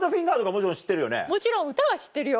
もちろん歌は知ってるよ。